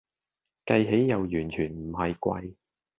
計起又完全唔係貴